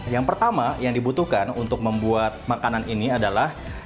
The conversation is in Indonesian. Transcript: yang pertama yang dibutuhkan untuk membuat makanan ini adalah